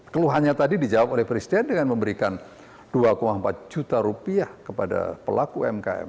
keluhannya tadi dijawab oleh presiden dengan memberikan dua empat juta rupiah kepada pelaku umkm